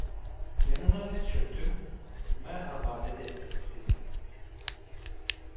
Yanına diz çöktüm: "Merhaba, dede!" dedim.